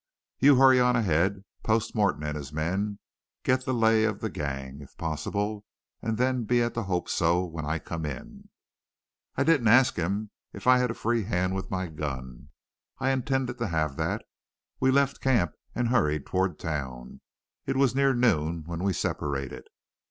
You hurry on ahead, post Morton and his men, get the lay of the gang, if possible, and then be at the Hope So when I come in.' "I didn't ask him if I had a free hand with my gun. I intended to have that. We left camp and hurried toward town. It was near noon when we separated.